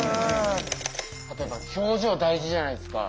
あとやっぱ表情大事じゃないですか。